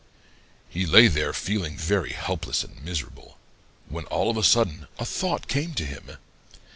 "He lay there feeling very helpless and miserable, when all of a sudden a thought came to him.